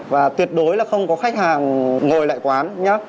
và tuyệt đối là không có khách hàng ngồi lại quán nhát